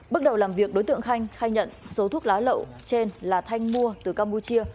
bước đầu làm việc đối tượng khanh khai nhận số thuốc lá lậu trên là thanh mua